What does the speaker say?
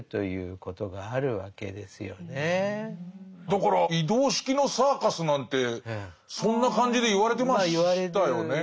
だから移動式のサーカスなんてそんな感じで言われてましたよね。